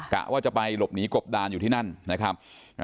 กะว่าจะไปหลบหนีกบดานอยู่ที่นั่นนะครับ